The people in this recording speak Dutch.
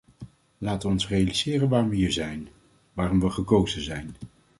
Laten we ons realiseren waarom we hier zijn, waarom we gekozen zijn.